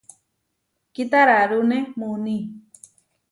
Kitararúne muuní.